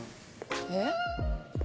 えっ？